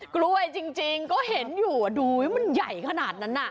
กล้วยจริงก็เห็นอยู่ดูมันใหญ่ขนาดนั้นน่ะ